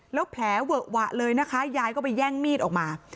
แล้วแผลเวอะหวะเลยนะคะยายก็ไปแย่งมีดออกมา